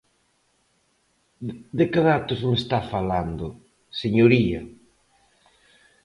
¿De que datos me está falando, señoría?